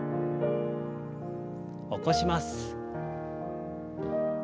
起こします。